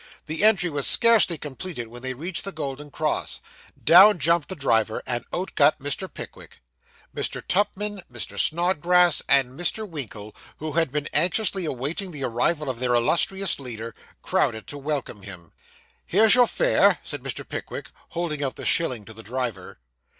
The entry was scarcely completed when they reached the Golden Cross. Down jumped the driver, and out got Mr. Pickwick. Mr. Tupman, Mr. Snodgrass, and Mr. Winkle, who had been anxiously waiting the arrival of their illustrious leader, crowded to welcome him. 'Here's your fare,' said Mr. Pickwick, holding out the shilling to the driver.